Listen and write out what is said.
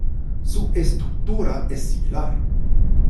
Su estructura es similar.